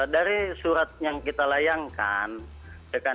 dari surat yang kita layangkan